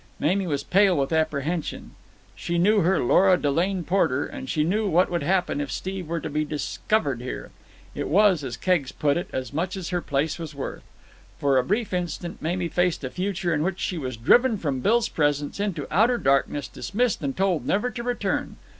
Mamie was pale with apprehension. She knew her Lora Delane Porter, and she knew what would happen if Steve were to be discovered there. It was, as Keggs put it, as much as her place was worth. For a brief instant Mamie faced a future in which she was driven from Bill's presence into outer darkness, dismissed, and told never to return.